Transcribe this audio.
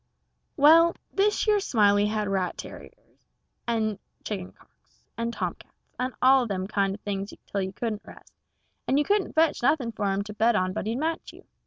Well, thish yer Smiley had rat tarriers, and chicken cocks, and tom cats, and all them kind of things till you couldn't rest, and you couldn't fetch nothing for him to bet on but he'd match you.